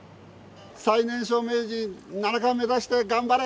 最年少名人、七冠目指して頑張れ！